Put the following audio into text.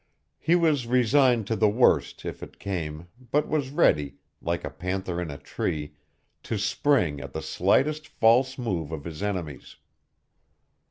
He was resigned to the worst if it came, but was ready, like a panther in a tree, to spring at the slightest false move of his enemies.